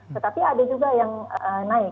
tetapi ada juga yang naik